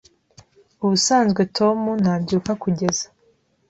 Ubusanzwe Tom ntabyuka kugeza